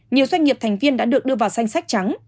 nhiều doanh nghiệp thành viên đã được đưa vào danh sách trắng